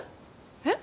えっ！？